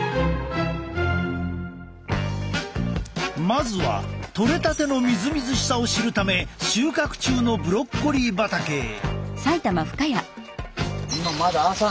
まずはとれたてのみずみずしさを知るため収穫中のブロッコリー畑へ。